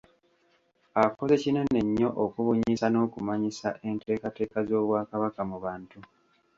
Akoze kinene nnyo okubunyisa n’okumanyisa enteekateeka z’Obwakabaka mu bantu.